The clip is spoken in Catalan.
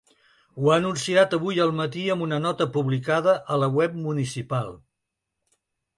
Ho ha anunciat avui al matí amb una nota publicada a la web municipal.